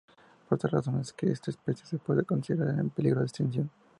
Por estas razones es que esta especie se puede considerar en peligro de extinción.